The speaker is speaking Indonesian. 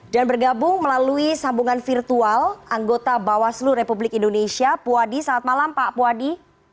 dan bergabung melalui sambungan virtual anggota bawaslu republik indonesia puwadi selamat malam pak puwadi